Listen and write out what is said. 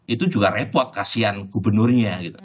itu juga repot kasihan gubernurnya gitu